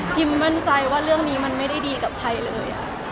มั่นใจว่าเรื่องนี้มันไม่ได้ดีกับใครเลย